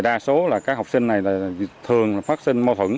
đa số là các học sinh này là thường phát sinh mâu thuẫn